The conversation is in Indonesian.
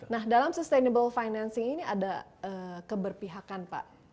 nah dalam sustainable financing ini ada keberpihakan pak